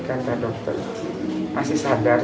kata dokter masih sadar